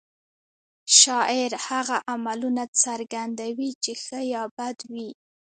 شاعر هغه عملونه څرګندوي چې ښه یا بد وي